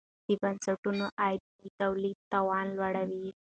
د بنسټونو عاید د تولید توان لوړوي.